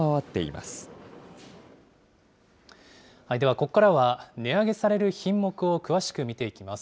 では、ここからは値上げされる品目を詳しく見ていきます。